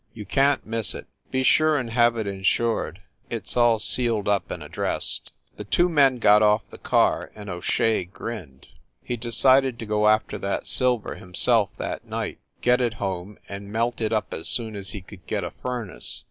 "You can t miss it. Be sure and have it in sured. It s all sealed up and addressed." The two men got off the car and O Shea grinned. He decided to go after that silver himself that night, giet it home and melt it up as soon as he could get a furnace.